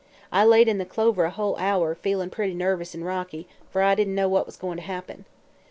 I laid in the clover a whole hour, feelin' pretty nervous an' rocky, fer I didn't know what was goin' to happen.